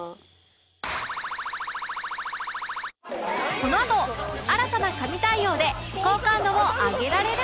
このあと新たな神対応で好感度を上げられるか？